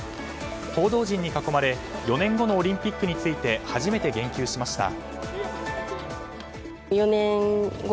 報道陣に囲まれ４年後のオリンピックについて初めて言及しました。